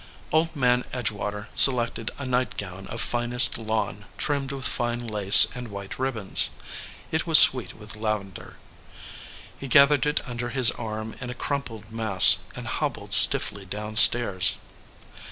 Old Man Edgewater selected a nightgown of finest lawn trimmed with fine lace and white ribbons. It was sweet with lavender. He gath ered it under his arm in a crumpled mass and hobbled stiffly downstairs.